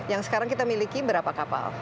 yang sekarang kita miliki berapa kapal